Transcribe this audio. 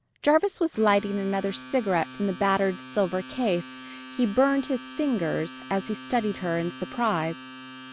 Jarvis was lighting another cigarette from the battered silver case; he burned his fingers, as he studied her, in surprise.